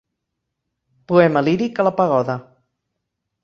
Poema líric a la pagoda.